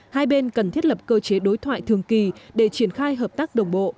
hai bên cần thiết lập cơ chế đối thoại thường kỳ để triển khai hợp tác đồng bộ